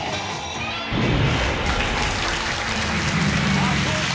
あぁそうか。